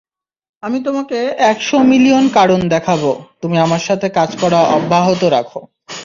আমি তোমাকে একশো মিলিয়ন কারণ দেখাবো, তুমি আমার সাথে কাজ করা অব্যাহত রাখো।